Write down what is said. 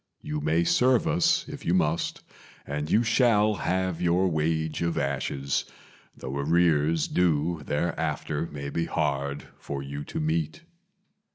You may serve us if you must, and you shall have your wage of ashes, Though arrears due thereafter may be hard for you to meet.